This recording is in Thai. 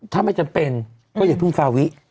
ถ้าไม่จำเป็นก็อย่าเพิ่งฟาวิ